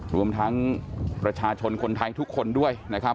รวมทั้งประชาชนคนไทยทุกคนด้วยนะครับ